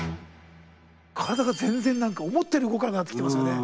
体が全然何か思ったより動かなくなってきてますよね。